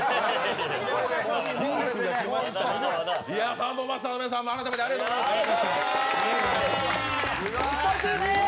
サンボマスターの皆さんも改めてありがとうございました。